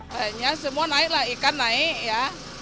hanya semua naik lah ikan naik ya